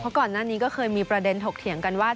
ก่อนหน้านี้ก็เคยมีประเด็นถกเถียงกันว่า